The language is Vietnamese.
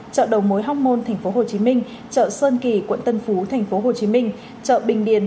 chợ đầu mối hóc môn tp hcm chợ sơn kỳ quận tân phú tp hcm chợ bình điền